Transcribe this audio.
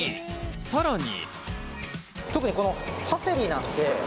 さらに。